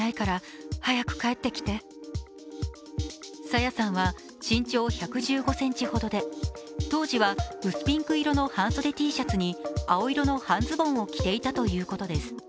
朝芽さんは身長１１５ｃｍほどで当時は薄ピンク色の半袖Ｔシャツに青色の半ズボンを着ていたということです。